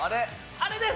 あれです！